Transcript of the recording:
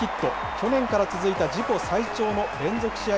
去年から続いた自己最長の連続試合